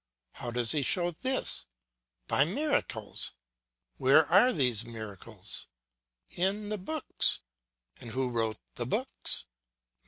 How does he show this? By miracles. Where are these miracles? In the books. And who wrote the books?